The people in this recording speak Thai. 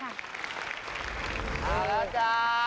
อ๋อเล่าจ้า